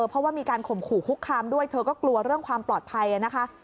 เพราะว่ามีการข่มขู่คุกคามด้วยเธอก็กลัวเรื่องความปลอดภัยนะคะ